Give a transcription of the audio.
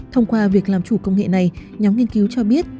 thông qua việc làm chủ công nghệ này nhóm nghiên cứu cho biết